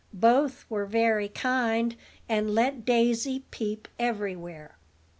Both were very kind, and let Daisy peep everywhere.